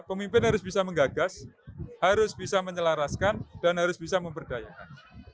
pemimpin harus bisa menggagas harus bisa menyelaraskan dan harus bisa memberdayakan